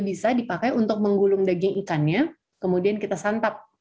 kita bisa menggunakan daun shisho ini untuk menggulung daging ikannya kemudian kita santap